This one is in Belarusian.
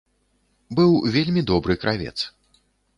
Быў вельмі добры кравец.